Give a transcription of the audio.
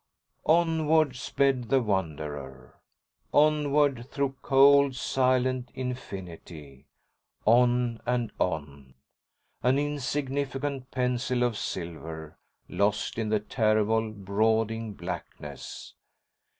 ———— Onward sped the Wanderer, onward through cold, silent infinity, on and on, an insignificant pencil of silver lost in the terrible, brooding blackness.